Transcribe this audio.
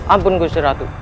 ampun gusti ratu